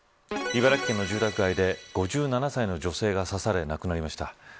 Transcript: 茨城県の住宅街で５７歳の女性が刺され、亡くなりました。